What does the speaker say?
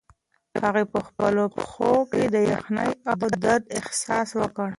هغې په خپلو پښو کې د یخنۍ او درد احساس وکړ.